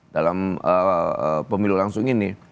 dalam pemilu langsung ini